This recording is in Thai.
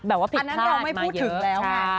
อันนั้นเราไม่พูดถึงแล้วไง